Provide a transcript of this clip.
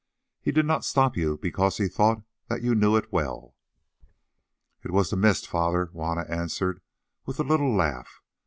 He did not stop you because he thought that you knew it well." "It was the mist, Father," Juanna answered with a little laugh.